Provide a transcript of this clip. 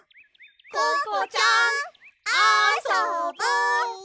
ココちゃんあそぼ！